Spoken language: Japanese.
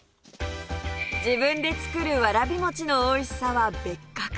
自分で作るわらび餅のおいしさは別格！